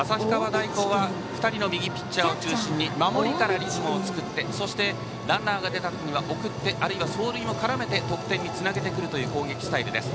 大高は２人の右ピッチャーを中心に守りからリズムを作ってそして、ランナーが出た時には送ってあるいは、走塁も絡めて得点につなげてくる攻撃です。